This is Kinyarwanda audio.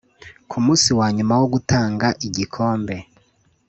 Ku munsi wa nyuma wo gutanga igikombe